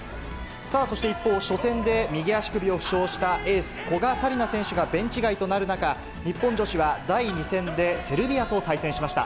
さあそして一方、初戦で右足首を負傷したエース、古賀紗理那選手がベンチ外となる中、日本女子は第２戦でセルビアと対戦しました。